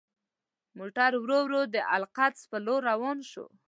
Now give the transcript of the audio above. موټر ورو ورو د القدس په لور روان شو.